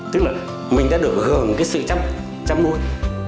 tức là mình đã được gờ một cái sự chăm môi